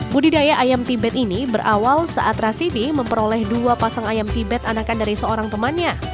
budidaya ayam tibet ini berawal saat rasidi memperoleh dua pasang ayam tibet anakan dari seorang temannya